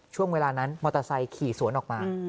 ช่วงเวลานั้นมอเตอร์ไซค์ขี่สวนออกมา